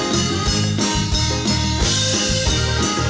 ใครเป็นคู่ควรแม่คุณ